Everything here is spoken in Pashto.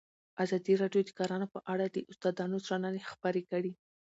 ازادي راډیو د کرهنه په اړه د استادانو شننې خپرې کړي.